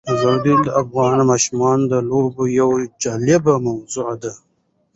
زردالو د افغان ماشومانو د لوبو یوه جالبه موضوع ده.